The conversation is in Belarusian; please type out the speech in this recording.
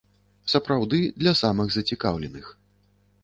Сапраўды, для самых зацікаўленых.